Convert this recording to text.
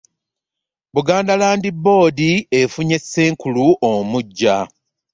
Buganda Land Board efunye Ssenkulu omuggya